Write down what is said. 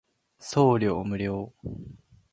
送料無料